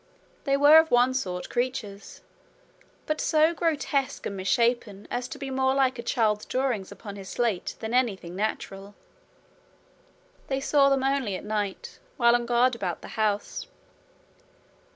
They were of one sort creatures but so grotesque and misshapen as to be more like a child's drawings upon his slate than anything natural. They saw them only at night, while on guard about the house.